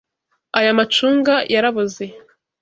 Aya macunga yaraboze.